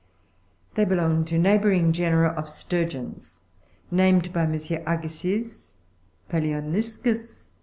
They belong to neighboring genera of sturgeons, named by M. Agassiz palxoni'scus, (Jig.